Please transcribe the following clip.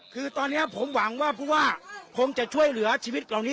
คือตอนนี้ผมหวังว่าผู้ว่าคงจะช่วยเหลือชีวิตเหล่านี้